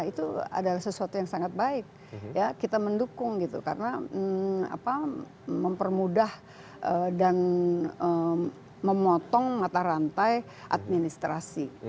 itu adalah sesuatu yang sangat baik ya kita mendukung gitu karena mempermudah dan memotong mata rantai administrasi